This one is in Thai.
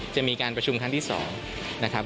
จะมีการประชุมครั้งที่๒นะครับ